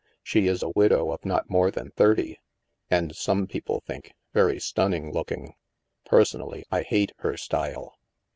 She is a widow of not more than thirty and, some people think, very stunning looking. Personally, I hate her style."